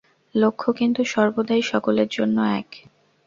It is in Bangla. লক্ষ্য কিন্তু সর্বদাই সকলের জন্য এক।